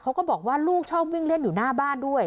เขาก็บอกว่าลูกชอบวิ่งเล่นอยู่หน้าบ้านด้วย